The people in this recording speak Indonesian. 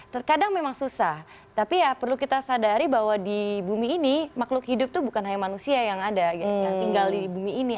terkadang memang susah tapi ya perlu kita sadari bahwa di bumi ini makhluk hidup itu bukan hanya manusia yang ada yang tinggal di bumi ini